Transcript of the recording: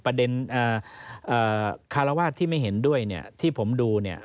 ประเด็นข่าราวาสที่ไม่เห็นด้วยที่ผมดู